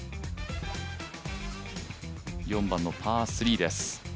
４番のパー３です。